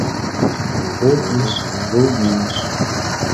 Бул плюс, бул минус.